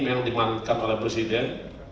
yang dimandatkan oleh presiden